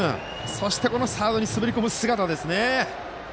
そしてサードに滑り込む姿ですよ。